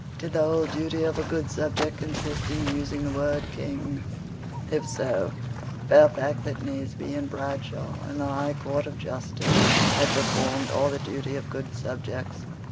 Did the whole duty of a good subject consist in using the word King? If so, Fairfax at Naseby and Bradshaw in the High Court of justice had performed all the duty of good subjects.